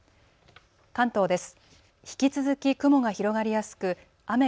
関東です。